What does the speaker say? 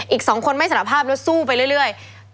อีก๒คนไม่สารภาพแล้วสู้ไปเรื่อย